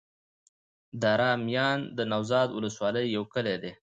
دره میان د نوزاد ولسوالي يو کلی دی.